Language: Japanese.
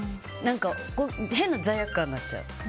変な罪悪感になっちゃう。